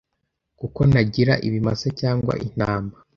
kuko ntagira ibimasa cyangwa intama